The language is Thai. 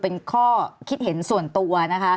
เป็นชื่อคิดเห็นส่วนตัว